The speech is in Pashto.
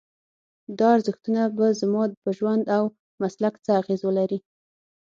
دا ارزښتونه به زما په ژوند او مسلک څه اغېز ولري؟